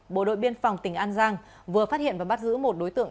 bộ đội biên phòng tỉnh an giang vừa phát hiện và bắt giữ một đối tượng